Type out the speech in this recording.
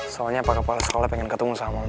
soalnya pak kepala sekolah pengen ketemu sama